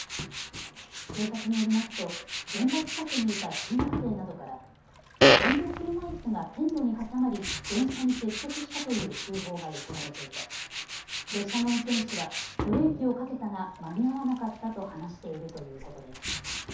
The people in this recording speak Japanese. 警察によりますと現場近くにいた中学生などから電動車いすが線路に挟まり電車に接触したという通報が寄せられていて列車の運転士は、ブレーキをかけたが間に合わなかったと話しているということです。